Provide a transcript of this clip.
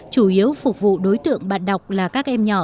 chủ yếu phục vụ đối tượng bạn đọc là các em nhỏ